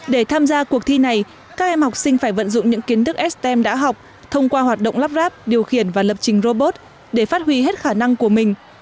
để tham gia cuộc thi này các em học sinh phải vận dụng những kiến thức stem đã học thông qua hoạt động lắp ráp điều khiển và lập trình robot để phát huy hết khả năng của mình